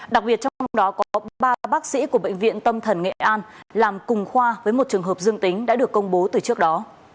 đặc biệt trong đó có ba bác sĩ của bệnh viện tâm thần nghệ an làm cùng khoa với một trường hợp dương tính đã được công bố từ trước đó